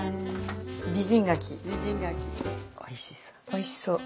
おいしそう。